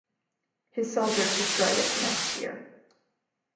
His soldiers destroyed it the next year.